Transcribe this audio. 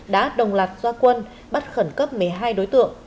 đã đồng lạc doa quân bắt khẩn cấp một mươi hai đối tượng